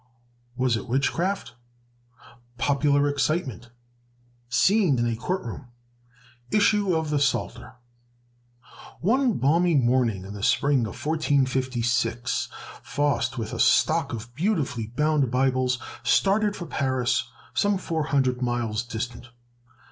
Was it Witchcraft? Popular Excitement. Scene in a Court Room. Issue of the Psalter. One balmy morning in the spring of 1456, Faust, with a stock of beautifully bound Bibles, started for Paris, some four hundred miles distant.